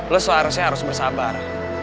lo seharusnya harus bersabar